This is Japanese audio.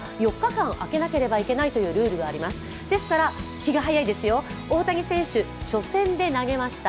気が早いですが、大谷選手、初戦で投げました。